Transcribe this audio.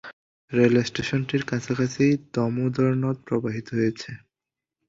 Rail স্টেশনটির কাছাকাছি দামোদর নদ প্রবাহিত হয়েছে।